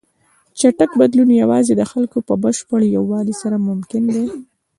چټک بدلون یوازې د خلکو په بشپړ یووالي سره ممکن دی.